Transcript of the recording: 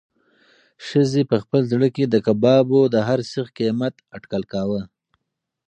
ښځې په خپل زړه کې د کبابو د هر سیخ قیمت اټکل کاوه.